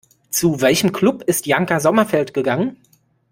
Zu welchem Club ist Janka Sommerfeld gegangen?